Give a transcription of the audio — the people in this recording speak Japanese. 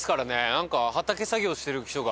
なんか畑作業してる人が。